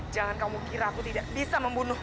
jangan kamu kira aku tidak bisa membunuh